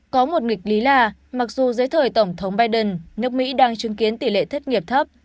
có một nghịch lý là mặc dù dưới thời tổng thống biden nước mỹ đang chứng kiến tỷ lệ thất nghiệp thấp